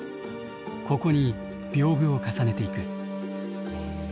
ここに屏風を重ねていく。